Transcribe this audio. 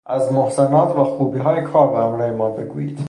از محسنات و خوبیهای کار برای ما بگویید